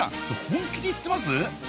それ本気で言ってます？